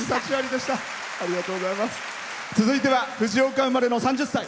続いては藤岡生まれの３０歳。